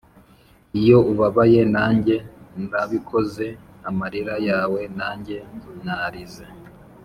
iyo ubabaye, nanjye narabikoze; amarira yawe nanjye narize.